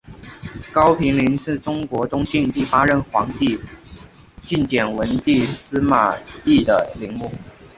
高平陵是中国东晋第八任皇帝晋简文帝司马昱的陵墓。